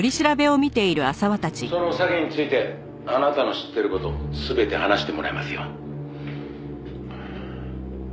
「その詐欺についてあなたの知ってる事全て話してもらいますよ」